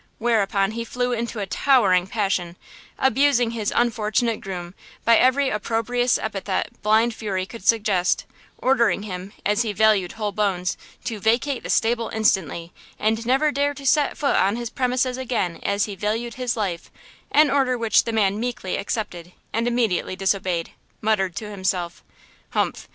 Whereupon he flew into a towering passion, abusing his unfortunate groom by every opprobrious epithet blind fury could suggest, ordering him, as he valued whole bones, to vacate the stable instantly, and never dare to set foot on his premises again as he valued his life, an order which the man meekly accepted and immediately disobeyed, muttered to himself: "Humph!